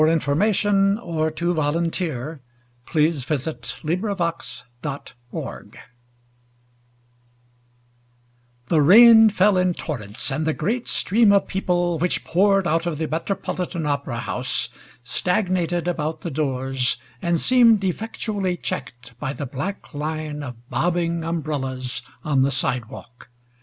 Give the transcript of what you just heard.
View Image of Page 15 A Singer's Romance By Willa Sibert Cather The rain fell in torrents and the great stream of people which poured out of the Metropolitan Opera House stagnated about the doors and seemed effectually checked by the black line of bobbing umbrellas on the side walk.